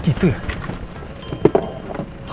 apa jangan jangan elsa lagi